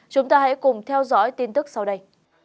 chúng ta hãy cùng theo dõi tin tức sau đây